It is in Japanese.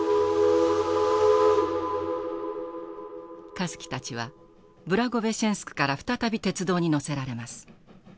香月たちはブラゴベシチェンスクから再び鉄道に乗せられます。